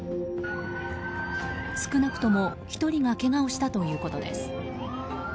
少なくとも１人がけがをしたということです。